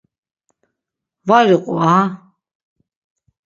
Var iqu aha.